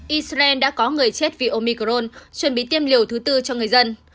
israel đã có người chết vì omicron chuẩn bị tiêm liều thứ tư cho người dân